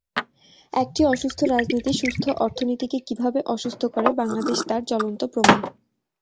একটি অসুস্থ রাজনীতি সুস্থ অর্থনীতিকে কীভাবে অসুস্থ করে, বাংলাদেশ তার জ্বলন্ত প্রমাণ।